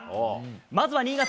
まずは新潟。